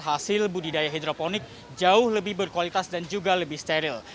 hasil budidaya hidroponik jauh lebih berkualitas dan juga lebih steril